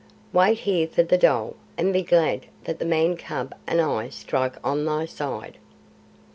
Wait here for the dhole, and be glad that the Man cub and I strike on thy side."